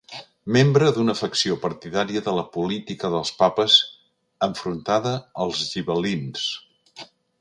Membre d'una facció partidària de la política dels papes, enfrontada als gibel·lins.